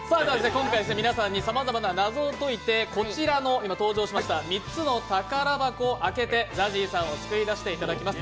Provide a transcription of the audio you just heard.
今回、皆さんにさまざまな謎を解いて、こちらの３つの宝箱を開けてＺＡＺＹさんを救い出していきます。